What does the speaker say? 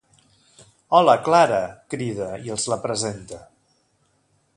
Hola Clara! —crida, i els la presenta—.